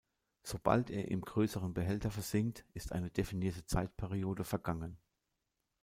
Sobald er im größeren Behälter versinkt, ist eine definierte Zeitperiode vergangen.